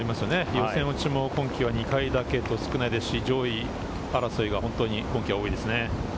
予選落ちも今季は２回だけと少ないですし、上位争いが本当に今季は多いですね。